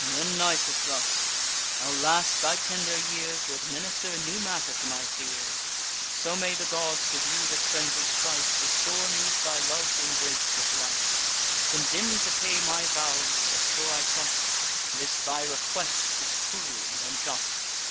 Then Nisus thus: "Alas! thy tender years Would minister new matter to my fears. So may the gods, who view this friendly strife, Restore me to thy lov'd embrace with life, Condemn'd to pay my vows, (as sure I trust,) This thy request is cruel and unjust.